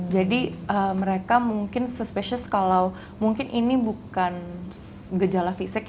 jadi mereka mungkin suspicious kalau mungkin ini bukan gejala fisik ya